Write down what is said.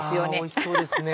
おいしそうですね。